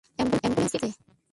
Ambulance কে আছে?